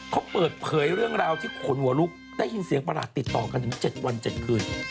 เขาเปิดเผยเรื่องราวที่ขนหัวลุกได้ยินเสียงประหลาดติดต่อกันถึง๗วัน๗คืน